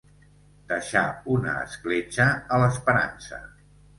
Deixar una escletxa a l'esperança.